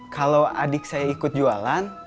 kalau adik saya ikut jualan